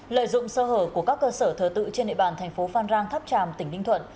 lợi dụng sơ hở của các cơ sở thờ tự trên địa bàn thành phố phan rang tháp tràm tỉnh ninh thuận